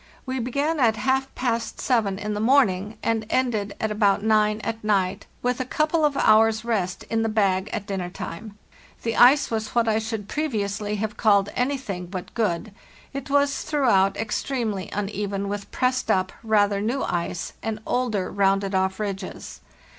We began at half past seven in the morning, BARO THE RUNAWAY A VHARD ISTROGGLE 179 and ended at about nine at night, with a couple of hours' rest in the bag at dinner time. The ice was what I should previously have called anything but good; it was throughout extremely uneven, with pressed up, rather new ice, and older, rounded off ridges.